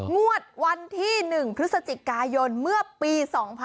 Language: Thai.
งวดวันที่๑พฤศจิกายนเมื่อปี๒๕๖๒